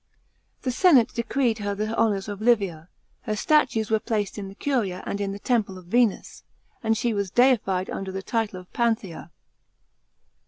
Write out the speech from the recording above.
The senate decreed her the honours of Li via ; her statues were placed in the curia and in the temple of Venus ; and she was deified under the title of Panthea.